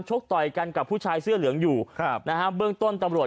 กต่อยกันกับผู้ชายเสื้อเหลืองอยู่ครับนะฮะเบื้องต้นตำรวจ